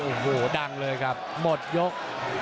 โอ้โหดังเลยครับหมดยก